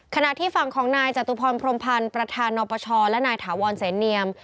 ขณะที่ฝั่งของนายจตุพรพรมพันธ์ประธานนปชและนายถาวรเสนเนียม